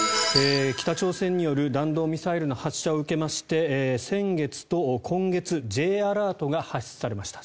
北朝鮮による弾道ミサイルの発射を受けまして先月と今月Ｊアラートが発出されました。